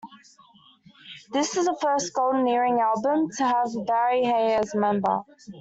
This is the first Golden Earring album to have Barry Hay as a member.